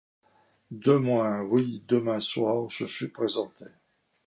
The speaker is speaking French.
Demain, oui, demain soir, je suis présentée.